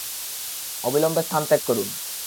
অবিলম্বে স্থান ত্যাগ করুন।